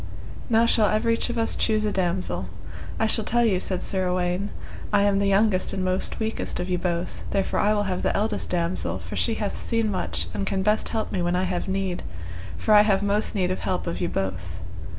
Now shall everych of us choose a damosel. I shall tell you, said Sir Uwaine, I am the youngest and most weakest of you both, therefore I will have the eldest damosel, for she hath seen much, and can best help me when I have need, for I have most need of help of you both.